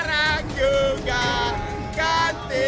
barang juga ganti